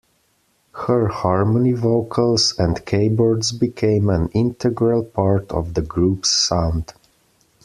Her harmony vocals and keyboards became an integral part of the group's sound.